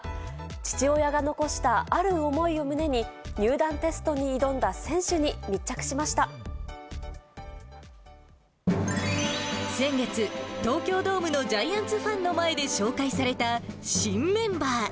父親が残したある思いを胸に、入団テストに挑んだ選手に密着し先月、東京ドームのジャイアンツファンの前で紹介された新メンバー。